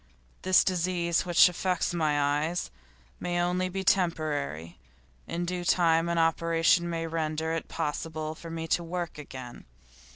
This disease which affects my eyes may be only temporary; in due time an operation may render it possible for me to work again.